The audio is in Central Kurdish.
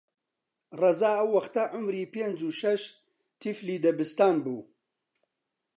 ڕەزا ئەو وەختە عومری پێنج و شەش تیفلی دەبستان بوو